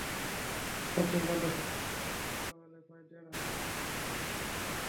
পশ্চিম প্রান্তে সরকারি বাহিনীকে মোকাবিলায় প্রায় দেড় হাজার বিদ্রোহী মোতায়েন ছিল।